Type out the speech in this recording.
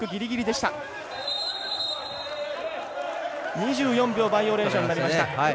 ２４秒、バイオレーションになりました。